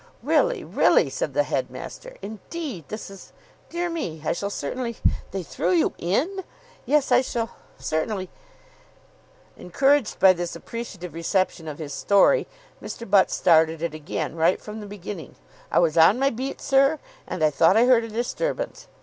"Really, really!" said the headmaster. "Indeed! This is dear me! I shall certainly They threw you in! Yes, I shall certainly " Encouraged by this appreciative reception of his story, Mr. Butt started it again, right from the beginning. "I was on my beat, sir, and I thought I heard a disturbance.